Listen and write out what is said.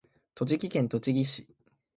栃木県栃木市